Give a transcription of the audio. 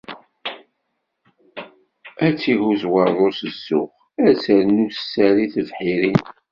Ad tt-ihuzz waḍu s zzux, ad ternu sser i tebḥirin.